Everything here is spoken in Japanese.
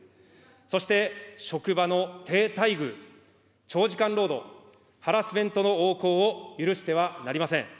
そして職場の低待遇、長時間労働、ハラスメントの横行を許してはなりません。